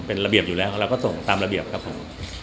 เป็นระเบียบอยู่แล้วของเราก็ส่งตามระเบียบครับผม